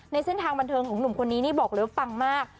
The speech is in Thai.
เส้นทางบันเทิงของหนุ่มคนนี้นี่บอกเลยว่าปังมาก